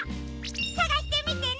さがしてみてね！